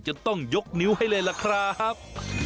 ต้องยกนิ้วให้เลยล่ะครับ